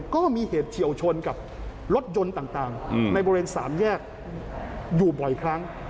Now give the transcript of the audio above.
ก็มีเหตุเฉียวชนกับรถยนต์ต่างในบริเวณสามแยกอยู่บ่อยครั้ง